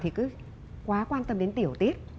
thì cứ quá quan tâm đến tiểu tiết